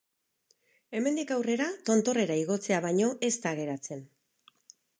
Hemendik aurrera, tontorrera igotzea baino ez da geratzen.